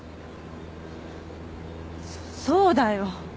そっそうだよ。